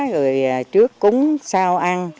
rồi trước cúng sau ăn